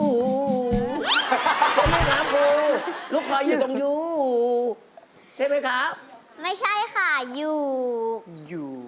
คุณบ้านเดียวกันแค่มองตากันก็เข้าใจอยู่